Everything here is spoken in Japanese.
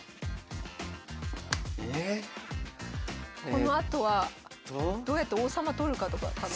このあとはどうやって王様取るかとかかなあ。